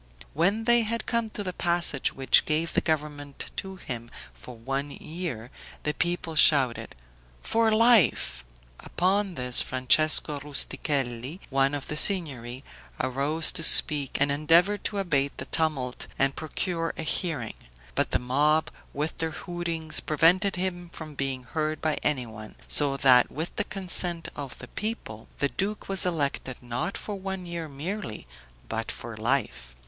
When they had come to the passage which gave the government to him for one year, the people shouted, "FOR LIFE." Upon this, Francesco Rustichelli, one of the Signory, arose to speak, and endeavored to abate the tumult and procure a hearing; but the mob, with their hootings, prevented him from being heard by anyone; so that with the consent of the people the duke was elected, not for one year merely, but for life.